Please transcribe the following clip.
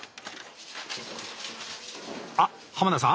あっ濱田さん？